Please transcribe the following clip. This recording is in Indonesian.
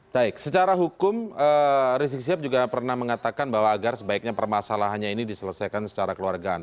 baik secara hukum rizik sihab juga pernah mengatakan bahwa agar sebaiknya permasalahannya ini diselesaikan secara keluargaan